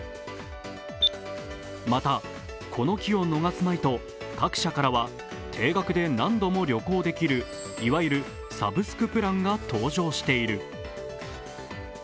また、この機を逃すまいと各社からは定額で何度も旅行できる、いわゆるサブスクプランが登場している。